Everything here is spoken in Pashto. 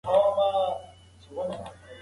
څومره مينه مستي درکړم ادب څومره